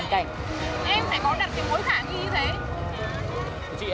em phải có đặt cái mối khả nghi như thế